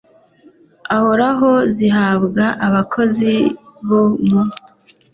ahoraho zihabwa abakozi bo mu